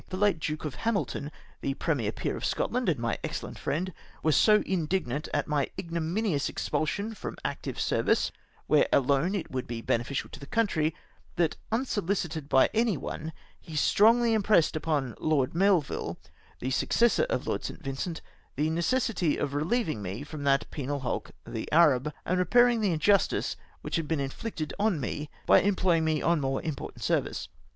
The late Duke of Hamilton, the premier peer of Scotland, and my excellent fiiend, was so indignant at my ignominious expulsion from active service, where alone it would be beneficial to the country, that, unsohcited by any one, he strongly im pressed upon Lord Melville, the successor of Lord St. Vincent, the necessity of reheving me from that penal hulk, the Arab, and repauing the injustice which had been inflicted on me, by employing me on more im portant service.